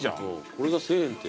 これが１，０００円って。